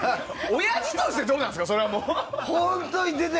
おやじとしてどうなんですか！